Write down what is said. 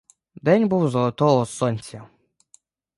День був золотого сонця.